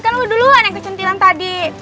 kan lo duluan yang kecentilan tadi